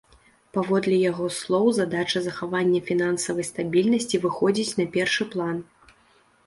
Паводле яго слоў, задача захавання фінансавай стабільнасці выходзіць на першы план.